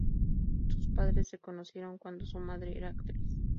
Sus padres se conocieron cuando su madre era actriz.